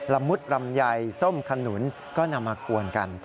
มุดลำไยส้มขนุนก็นำมากวนกัน